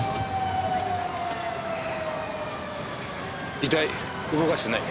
遺体動かしてないね？